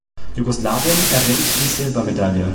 Jugoslawien erringt die Silbermedaille.